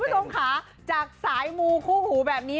คุณผู้ชมค่ะจากสายมูคู่หูแบบนี้